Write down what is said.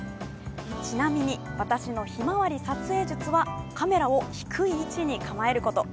ちなみに私のひまわり撮影術はカメラを低い位置に構えること。